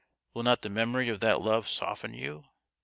Will not the memory of that love soften you